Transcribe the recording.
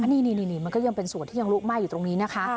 นี่มันก็ยังเป็นส่วนที่ยังลุกไหม้อยู่ตรงนี้นะคะ